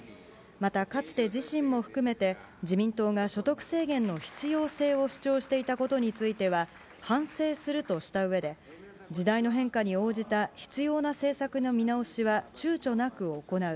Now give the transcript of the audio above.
またかつて自身も含めて自民党が所得制限の必要性を主張していたことについては、反省するとしたうえで、時代の変化に応じた必要な政策の見直しは、ちゅうちょなく行う。